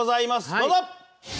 どうぞ。